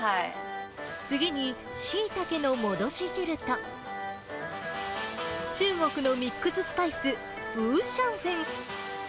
次に、シイタケの戻し汁と、中国のミックススパイス、ウーシャンフェン。